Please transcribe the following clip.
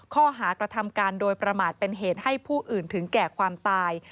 ข้อหากระทำการโดยประมาทเป็นเหตุให้ผู้อื่นถึงแก่ความตาย